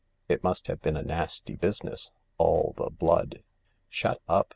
It must have been a nasty business — all the blood." " Shut up